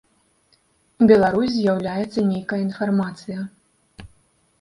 Беларусь з'яўляецца нейкая інфармацыя.